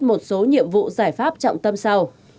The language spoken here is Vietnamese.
một số nhiệm vụ giải pháp trọng tâm sau